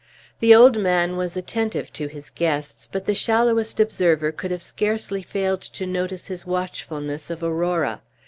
The old man was attentive to his guests, but the shallowest observer could have scarcely failed to notice his watchfulness of Aurora.